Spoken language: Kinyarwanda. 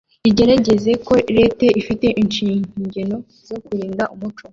rigeregeze ko Lete ifite inshingeno zo kurinde umuco